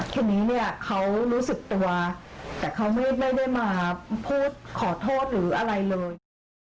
คนนี้เนี่ยเขารู้สึกตัวแต่เขาไม่ได้มาพูดขอโทษหรืออะไรเลย